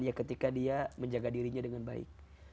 ya ketika dia menjaga dirinya dengan baik